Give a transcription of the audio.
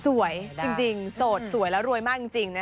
สวยจริงโสดสวยแล้วรวยมากจริงนะ